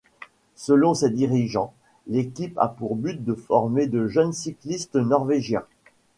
Selon ses dirigeants, l'équipe a pour but de former de jeunes cyclistes norvégiens.